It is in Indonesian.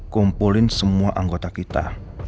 kumpulin semua anggota kita